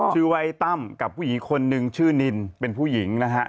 ซีว่ายกับพุหญิงคนนึงชื่อนินเป็นผู้หญิงนะครับ